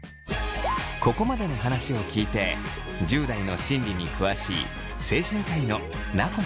ここまでの話を聞いて１０代の心理に詳しい精神科医の名越康文さんは。